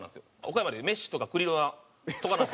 岡山でいうメッシとかクリロナとかなんですけど。